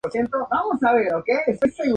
El álbum adapta la historia de esta novela.